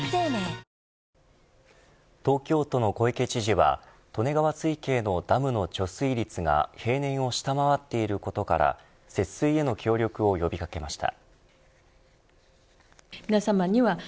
東京都の小池知事は利根川水系のダムの貯水率が平年を下回っていることから節水への協力を呼び掛けました。